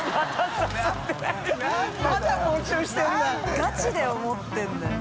ガチで思ってるんだよな。